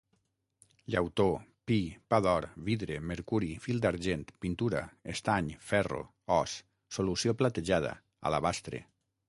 Llautó, pi, pa d'or, vidre, mercuri, fil d'argent, pintura, estany, ferro, os, solució platejada, alabastre.